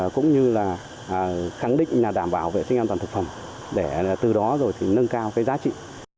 cũng như là khẳng định là đảm bảo vệ sinh an toàn thực phẩm để từ đó rồi thì nâng cao cái giá trị